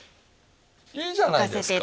いいじゃないですか！